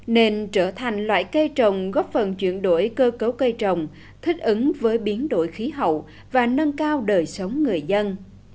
nên trở thành loại cây trồng góp phần chuyển đổi cơ cấu cây trồng thích ứng với biến đổi khí hậu và nâng cao đời sống người dân